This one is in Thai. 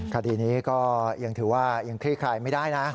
คดีนี้ก็ยังถือว่ายังคลี่คลายไม่ได้นะ